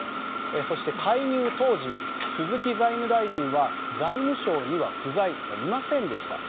そして介入当時、鈴木財務大臣は財務省には不在いませんでした。